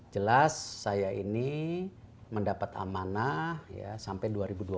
jelas saya ini mendapat amanah sampai dua ribu dua puluh empat